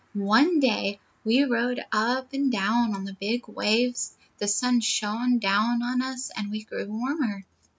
"One day as we rode up and down on the big waves, the sun shone down on us, and we grew warmer.